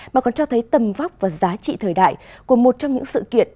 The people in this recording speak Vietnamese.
mà còn cho thấy tầm vóc và giá trị thời đại của một trong những sự kiện